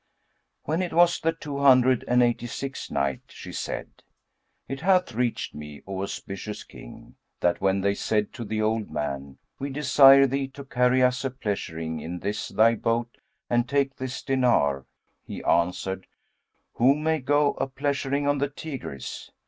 When it was the Two Hundred and Eighty sixth Night, She said, It hath reached me, O auspicious King, that when they said to the old man, "We desire thee to carry us a pleasuring in this thy boat and take this dinar;" he answered, "Who may go a pleasuring on the Tigris?